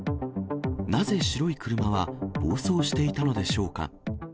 なぜ白い車は、暴走していたのでしょうか。